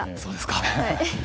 そうですか。